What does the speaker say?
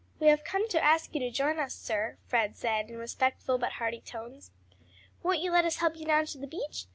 "We have come to ask you to join us, sir," Fred said in respectful but hearty tones. "Won't you let us help you down to the beach?